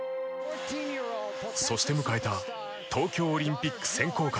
そして迎えた東京オリンピック選考会。